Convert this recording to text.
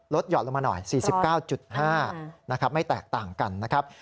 หยอดลงมาหน่อย๔๙๕นะครับไม่แตกต่างกันนะครับ